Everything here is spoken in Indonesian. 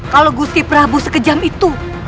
kalau gusti prabu sekejam itu